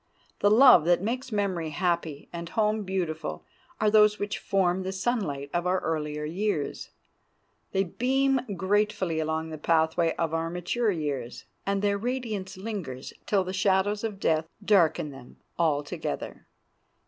The loves that make memory happy and home beautiful are those which form the sunlight of our earlier years; they beam gratefully along the pathway of our mature years, and their radiance lingers till the shadows of death darken them all together.